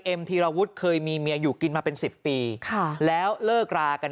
ธีรวุฒิเคยมีเมียอยู่กินมาเป็นสิบปีค่ะแล้วเลิกรากัน